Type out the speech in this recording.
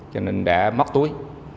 cho nên đã móc túi